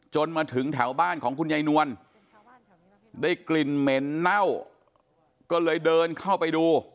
มาถึงแถวบ้านของคุณยายนวลได้กลิ่นเหม็นเน่าก็เลยเดินเข้าไปดู